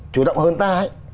chủ động hơn ta ấy